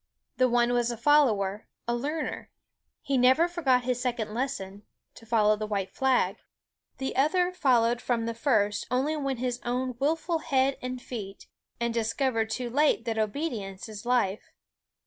The one was a follower, a learner; he never forgot his second lesson, to follow the white flag. The other followed from the first only his own willful head and feet, and 'discovered 43 W SCHOOL Of too late that obedience is life.